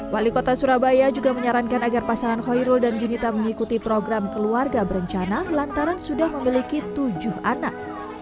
wali kota surabaya juga menyarankan agar pasangan hoyrul dan dinita mengikuti program keluarga berencana lantaran sudah memiliki tujuh anak